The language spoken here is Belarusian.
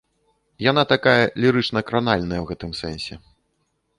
Яна такая лірычна-кранальная ў гэтым сэнсе.